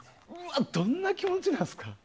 どんな気持ちなんですか。